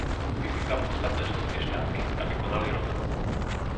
Vyzývam ostatné členské štáty, aby konali rovnako.